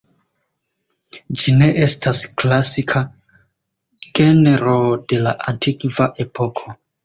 Ĝi ne estas klasika genro de la antikva epoko.